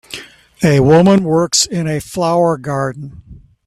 A woman works in a flower garden